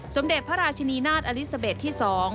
สมเด็จพระราชินีนาฏอลิซาเบสที่๒